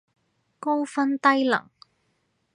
高分低能